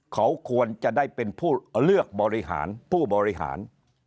เขาควรจะได้เป็นผู้เลือกบริหารผู้บริหาร